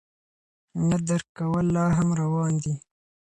نه درک کول لا هم روان دي.